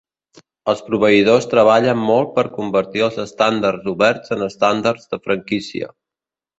Els proveïdors treballen molt per convertir els estàndards oberts en estàndards de franquícia.